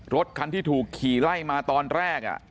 รถคันที่ถูกขี่ไล่มาตอนแรก